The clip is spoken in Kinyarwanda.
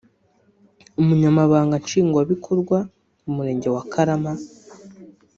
Umunyamabanga nshingwabikorwa w’Umurenge wa Karama